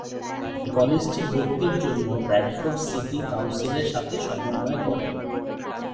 কলেজটি ভর্তির জন্য ব্র্যাডফোর্ড সিটি কাউন্সিলের সাথে সমন্বয় করে।